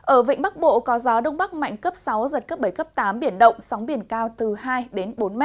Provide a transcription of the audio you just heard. ở vịnh bắc bộ có gió đông bắc mạnh cấp sáu giật cấp bảy cấp tám biển động sóng biển cao từ hai đến bốn m